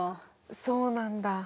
そうなんだ。